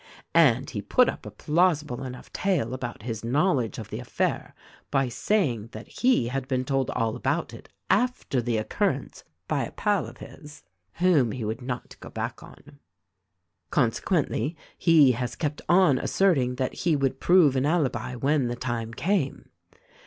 And he put up a plausible enough tale about his knowledge of the affair by saying that he had been told all about it, after the occurrence, by a pal of his, whom he would not go back on. "Consequently, he has kept on asserting that he would prove an alibi, when the time came.